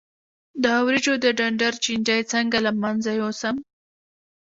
د وریجو د ډنډر چینجی څنګه له منځه یوسم؟